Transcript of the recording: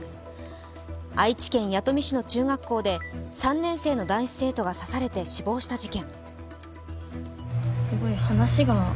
愛知県弥富市の中学校で３年生の男子生徒が刺されて死亡した事件。